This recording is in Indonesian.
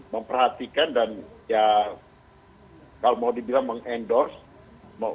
memperhatikan dan ya kalau mau dibilang mengendorse